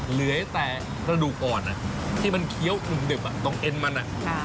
เหลือแต่กระดูกอ่อนที่มันเคี้ยวหนึบตรงเอ็นมัน